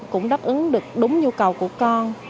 cũng đáp ứng được đúng nhu cầu của con